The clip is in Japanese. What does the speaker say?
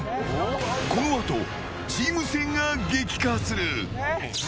このあとチーム戦が激化する。